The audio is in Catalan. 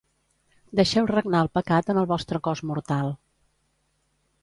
Deixeu regnar el pecat en el vostre cos mortal.